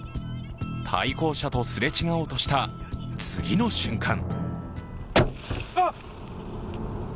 対向車とすれ違おうとした次の瞬間